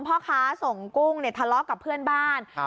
พ่อค้าส่งกุ้งเนี่ยทะเลาะกับเพื่อนบ้าน